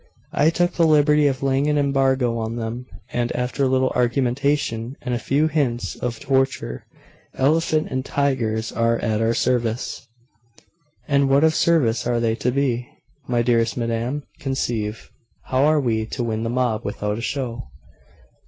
I took the liberty of laying an embargo on them, and, after a little argumentation and a few hints of torture, elephant and tigers are at our service.' 'And of what service are they to be?' 'My dearest madam Conceive.... How are we to win the mob without a show?....